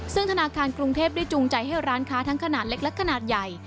ซึ่งธนาคารกรุงเทพได้จูงใจให้ร้านค้าทั้งขนาดเล็กและขนาดใหญ่